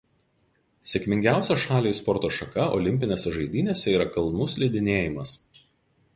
Sėkmingiausia šaliai sporto šaka olimpinėse žaidynėse yra kalnų slidinėjimas.